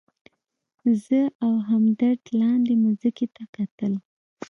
زه او همدرد لاندې مځکې ته کتل.